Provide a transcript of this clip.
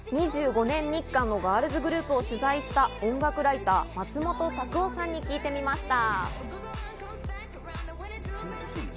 ２５年、日韓ガールズグループを取材した音楽ライター・まつもとたくおさんに聞いてみました。